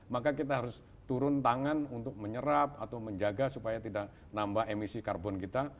maka kita harus turun tangan untuk menyerap atau menjaga supaya tidak nambah emisi karbon kita